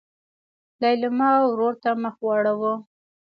لېلما ورور ته مخ واړوه.